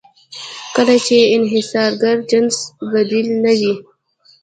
کله چې د انحصارګر جنس بدیل نه وي.